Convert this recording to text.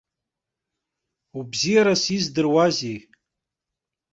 Убзиарас издыруазеи!